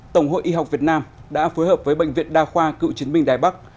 tổng hội y học việt nam đã phối hợp với bệnh viện đa khoa cựu chiến binh đài bắc